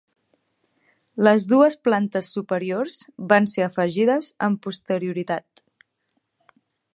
Les dues plantes superiors van ser afegides amb posterioritat.